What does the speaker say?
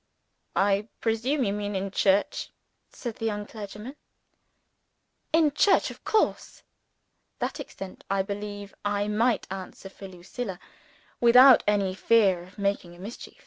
"I presume you mean in church?" said the young clergyman. "In church, of course." (To that extent I believed I might answer for Lucilla, without any fear of making a mistake.)